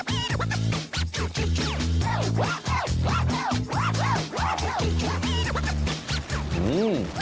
อืม